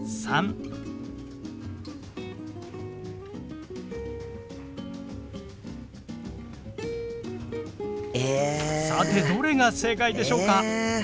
さてどれが正解でしょうか？